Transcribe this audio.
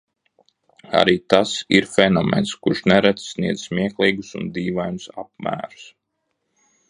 Arī tas ir fenomens, kurš nereti sasniedz smieklīgus un dīvainus apmērus.